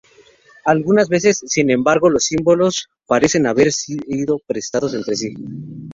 Algunas veces, sin embargo, los símbolos parecen haber sido prestados entre sí.